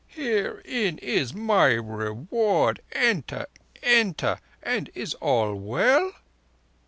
"Herein is my reward. Enter! Enter! And is all well?"